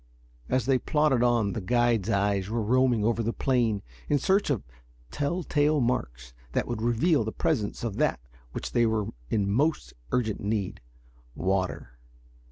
As they plodded on the guide's eyes were roaming over the plain in search of telltale marks that would reveal the presence of that of which they were in most urgent need water.